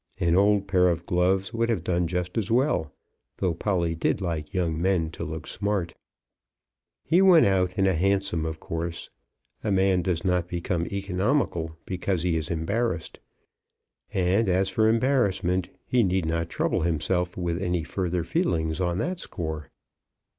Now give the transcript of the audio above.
An old pair of gloves would have done just as well, though Polly did like young men to look smart. He went out in a hansom of course. A man does not become economical because he is embarrassed. And as for embarrassment, he need not trouble himself with any further feelings on that score.